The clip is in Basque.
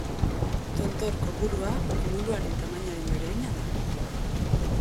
Tontor kopurua kumuluaren tamainaren berdina da.